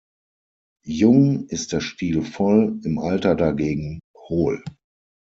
Jung ist der Stiel voll, im Alter dagegen hohl.